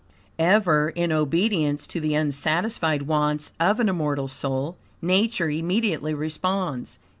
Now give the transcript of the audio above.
Ever, in obedience to the unsatisfied wants of an immortal soul Nature immediately responds.